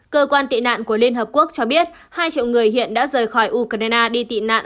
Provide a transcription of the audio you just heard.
cơ quan tị nạn của liên hợp quốc cho biết hai triệu người hiện đã rời khỏi ukraine đi tị nạn